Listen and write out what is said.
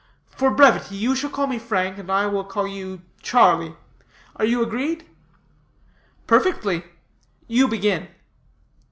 For brevity, you shall call me Frank, and I will call you Charlie. Are you agreed?" "Perfectly. You begin."